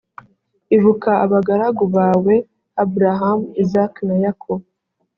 ibuka abagaragu bawe abrahamu, izaki na yakobo.